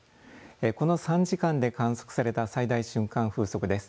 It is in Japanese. この３時間で観測された最大瞬間風速です。